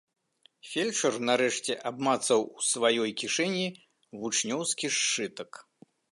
Фельчар нарэшце абмацаў у сваёй кішэні вучнёўскі сшытак.